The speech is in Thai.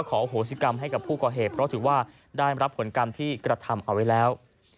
โหสิกรรมให้กับผู้ก่อเหตุเพราะถือว่าได้รับผลกรรมที่กระทำเอาไว้แล้ว